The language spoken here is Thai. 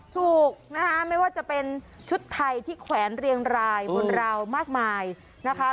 ถูกนะคะไม่ว่าจะเป็นชุดไทยที่แขวนเรียงรายบนราวมากมายนะคะ